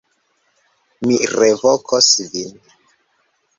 Mi revokos vin.